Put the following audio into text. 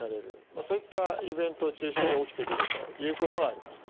そういったイベントを中心に起きてくるということがあります。